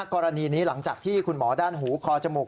กรณีนี้หลังจากที่คุณหมอด้านหูคอจมูก